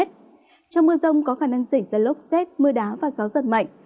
trong mưa rông có khả năng xảy ra lốc xét mưa đá và gió giật mạnh